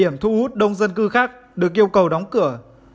những hoạt động thu hút đông dân cư khác được yêu cầu đóng cửa